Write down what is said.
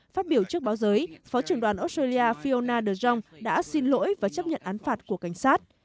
phát biểu trước báo giới phó trưởng đoàn australia fiona de jong đã xin lỗi và chấp nhận án phạt của cảnh sát